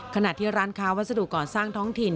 ขณะที่ร้านค้าวัสดุก่อสร้างท้องถิ่น